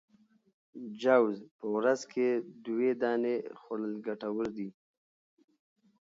جوز په ورځ کي دوې دانې خوړل ګټور دي